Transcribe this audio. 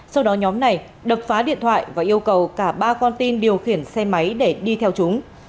sau đó nhóm này đập phá điện thoại và yêu cầu cả ba con tin điều khiển xe máy để đi theo chúng